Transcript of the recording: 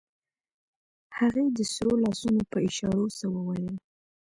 هغې د سرو لاسونو په اشارو څه وويل.